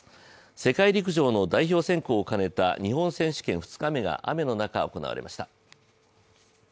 世界陸上の代表選考を兼ねた日本選手権２日目が雨の中、行われました。